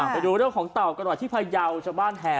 ไปดูเรื่องของเต่ากันหน่อยที่พยาวชาวบ้านแห่